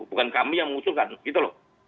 bukan kami yang mengusulkan gitu loh